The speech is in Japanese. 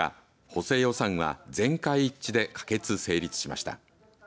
補正予算は全会一致で可決、成立しました。